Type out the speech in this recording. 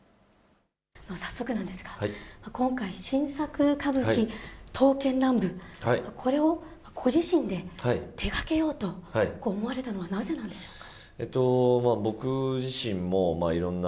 早速なんですが、今回、新作歌舞伎、刀剣乱舞、これをご自身で手掛けようと思われたのはなぜなんでしょうか。